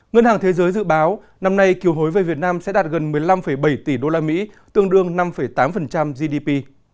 ngân hàng thế giới dự báo năm nay kiều hối về việt nam sẽ đạt gần một mươi năm bảy tỷ usd tương đương năm tám gdp